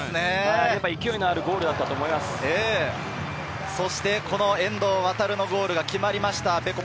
勢いのあるゴールだったと遠藤航のゴールも決まりました。